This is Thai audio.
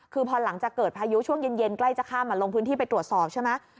คือพอหลังจากเกิดพายุช่วงเย็นใกล้จะค่ำลงพื้นที่ไปตรวจสอบใช่ไหม